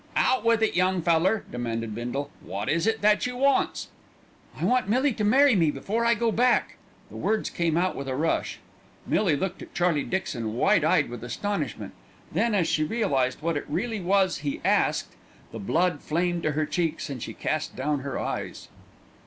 "Out with it, young feller," demanded Bindle. "Wot is it that you wants?" "I want Millie to marry me before I go back." The words came out with a rush. Millie looked at Charlie Dixon, wide eyed with astonishment; then, as she realised what it really was he asked, the blood flamed to her cheeks and she cast down her eyes.